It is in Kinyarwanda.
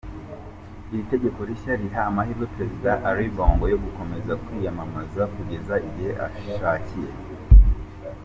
Iri tegeko rishya, riha amahirwe Perezida Ali Bongo yo gukomeza kwiyamamaza kugeza igihe ashakiye.